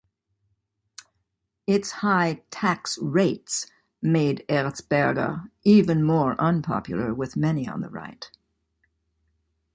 Its high tax rates made Erzberger even more unpopular with many on the right.